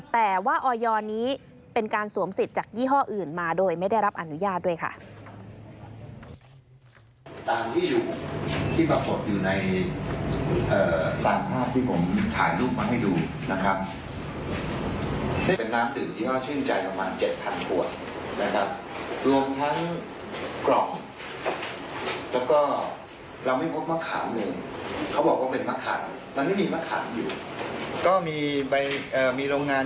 แต่ว่าออยนี้เป็นการสวมสิทธิ์จากยี่ห้ออื่นมาโดยไม่ได้รับอนุญาตด้วยค่ะ